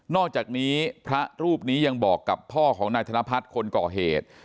อกจากนี้พระรูปนี้ยังบอกกับพ่อของนายธนพัฒน์คนก่อเหตุ